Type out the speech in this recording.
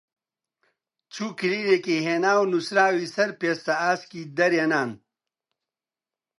چوو کلیلێکی هێنا و نووسراوی سەر پێستە ئاسکی دەرێنان